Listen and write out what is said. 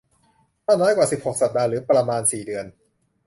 ถ้าน้อยกว่า สิบหก สัปดาห์หรือประมาณ สี่ เดือน